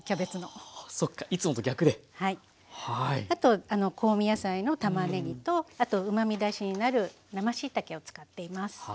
あと香味野菜のたまねぎとあとうまみ出しになる生しいたけを使っています。